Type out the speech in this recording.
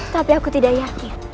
tapi aku tidak yakin